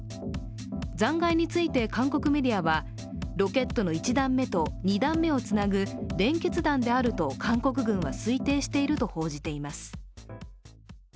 残骸について韓国メディアは、ロケットの１段目と２段目をつなぐ連結段であると韓国軍は推定していると報じています。